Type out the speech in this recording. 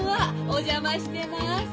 お邪魔してます。